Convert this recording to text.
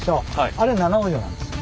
あれ七尾城なんです。